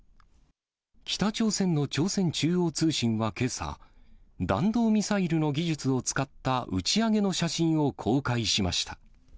北朝鮮の朝鮮中央通信はけさ、弾道ミサイルの技術を使った打ち上げの写真を公開しました。